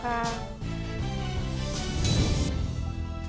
ขอให้คุณพระคุ้มครองและมีแต่สิ่งดีเข้ามาในครอบครัวนะครับ